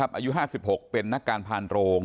อายุห้าสิบหกเป็นนักการพาลโตรง